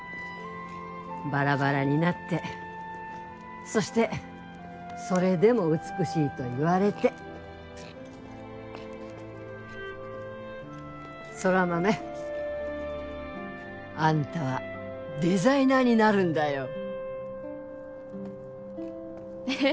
バラバラになってそしてそれでも美しいと言われて空豆あんたはデザイナーになるんだよえっ？